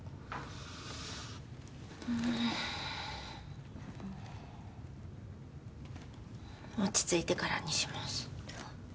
うん落ち着いてからにします